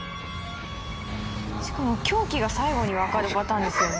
しかも凶器が最後に分かるパターンですよね。